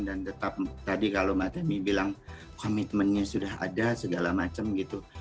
dan tetap tadi kalau mbak temi bilang komitmennya sudah ada segala macam gitu